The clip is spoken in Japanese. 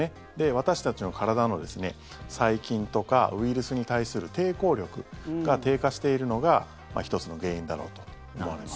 私たちの体の細菌とかウイルスに対する抵抗力が低下しているのが１つの原因だろうと思われます。